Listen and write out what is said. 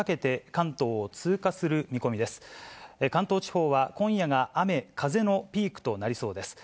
関東地方は今夜が雨、風のピークとなりそうです。